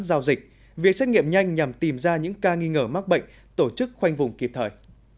giao dịch việc xét nghiệm nhanh nhằm tìm ra những ca nghi ngờ mắc bệnh tổ chức khoanh vùng kịp thời